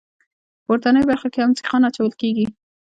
په پورتنۍ برخه کې هم سیخان اچول کیږي